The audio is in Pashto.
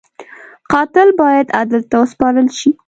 قاتل باید عدل ته وسپارل شي